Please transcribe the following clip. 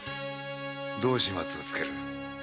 どう始末をつける？